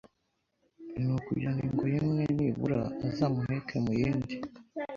i: “Ni ukugira ngo ingoyi imwe nira azamuheke mu yindi